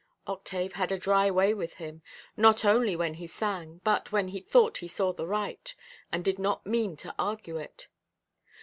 Octave had a dry way with him, not only when he sang, but when he thought he saw the right, and did not mean to argue it.